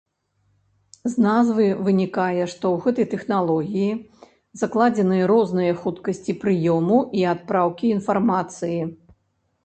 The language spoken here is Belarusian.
З назвы вынікае, што ў гэтай тэхналогіі закладзеныя розныя хуткасці прыёму і адпраўкі інфармацыі.